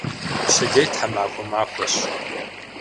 Пщэдей тхьэмахуэ махуэщ.